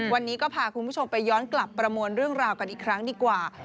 วันนี้ก็พาคุณผู้ชมไปย้อนกลับประมวลเรื่องราวกันอีกครั้งดีกว่า